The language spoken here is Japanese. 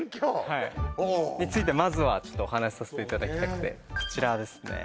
はいについてまずはお話しさせていただきたくてこちらですね